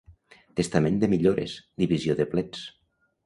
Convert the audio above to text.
Testament de millores, divisió de plets.